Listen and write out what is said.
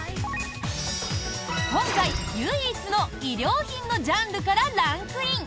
今回唯一の衣料品のジャンルからランクイン！